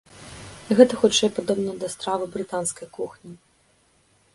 Гэта хутчэй падобна да стравы брытанскай кухні!